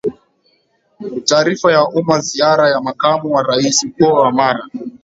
Taarifa kwa Umma Ziara ya Makamu wa Raisi Mkoa wa Mara